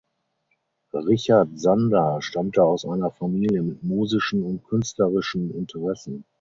Richard Sander stammte aus einer Familie mit musischen und künstlerischen Interessen.